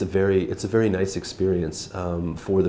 vì vậy nếu bạn thử